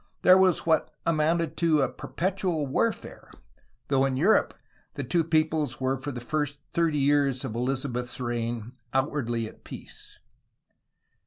There was what amounted to a perpetual warfare, though in Europe the two peoples were for the first thirty years of EHzabeth's reign outwardly at peace.